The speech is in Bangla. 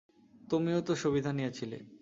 তুমিও তো সুবিধা নিয়েছিলে।